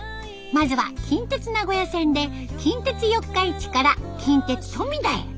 まずは近鉄名古屋線で近鉄四日市から近鉄富田へ。